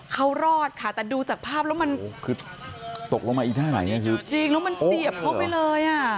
เขารอดค่ะแต่ดูจากภาพแล้วมันจริงแล้วมันเสียบเข้าไปเลย